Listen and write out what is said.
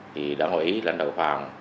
thì đảng úy lãnh đạo phạm